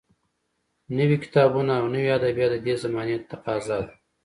نوي کتابونه او نوي ادبیات د دې زمانې تقاضا ده